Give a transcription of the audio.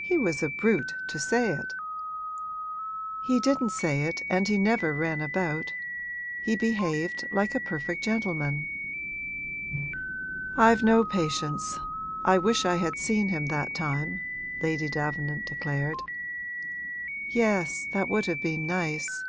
He was a brute to say it!' 'He didn't say it and he never ran about. He behaved like a perfect gentleman.' 'I've no patience I wish I had seen him that time!' Lady Davenant declared. 'Yes, that would have been nice!